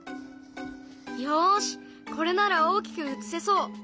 よしこれなら大きく映せそう！